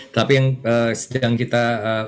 tapi yang sedang kita